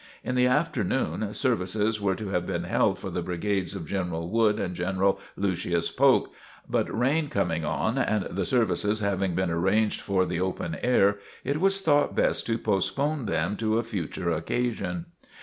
In the afternoon, services were to have been held for the brigades of General Wood and General Lucius Polk, but rain coming on, and the services having been arranged for the open air, it was thought best to postpone them to a future occasion.